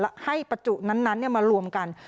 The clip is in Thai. และให้ประจุนั้นมารวมกัน